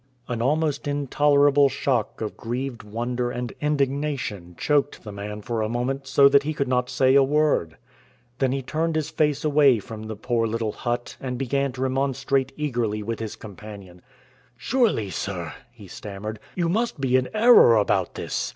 An almost intolerable shock of grieved wonder and indignation choked the man for a moment so that he could not say a word. Then he turned his face away from the poor little hut and began to remonstrate eagerly with his companion. "Surely, sir," he stammered, "you must be in error about this.